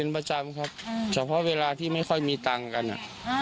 ประจำครับเฉพาะเวลาที่ไม่ค่อยมีตังค์กัน